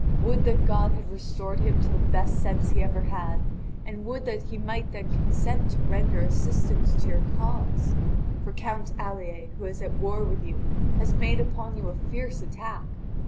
Would that God had restored to him the best sense he ever had, and would that he might then consent to render assistance to your cause! For Count Alier, who is at war with you, has made upon you a fierce attack.